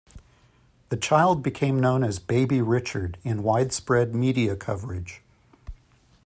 The child became known as "Baby Richard" in widespread media coverage.